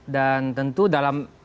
dan tentu dalam